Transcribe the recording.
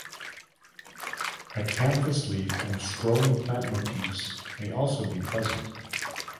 Acanthus leaf and scrolling plant motifs may also be present.